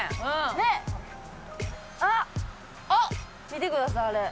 見てくださいあれ。